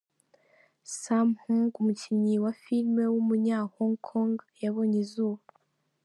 Sammo Hung, umukinnyi wa filime w’umunya Hong Kong yabonye izuba.